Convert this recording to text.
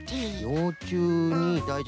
ようちゅうにだいじな。